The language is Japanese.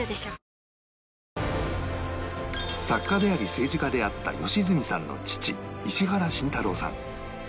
作家であり政治家であった良純さんの父石原慎太郎さん